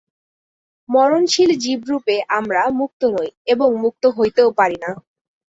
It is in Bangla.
মরণশীল জীবরূপে আমরা মুক্ত নই, এবং মুক্ত হইতেও পারি না।